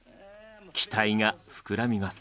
期待が膨らみます。